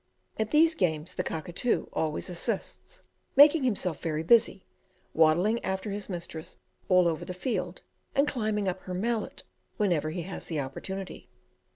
At these games the cockatoo always assists, making himself very busy, waddling after his mistress all over the field, and climbing up her mallet whenever he has an opportunity.